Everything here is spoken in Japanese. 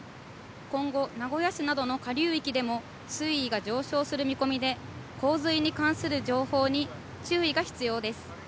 今後、名古屋市などの下流域でも水位が上昇する見込みで、洪水に関する情報に注意が必要です。